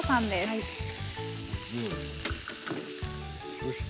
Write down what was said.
そして。